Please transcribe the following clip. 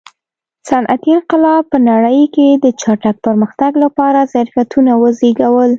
صنعتي انقلاب په نړۍ کې د چټک پرمختګ لپاره ظرفیتونه وزېږول.